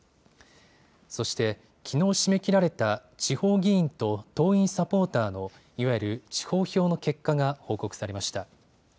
そしてきのう締め切られた、地方議員と党員・サポーターの、いわゆる地方票の結果が報告されました。